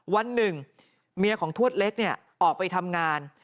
วันหนึ่งเมียของทวดเล็กออกไปทำงาน